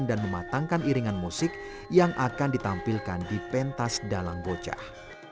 dan mematangkan iringan musik yang akan ditampilkan di pentas dalam bocah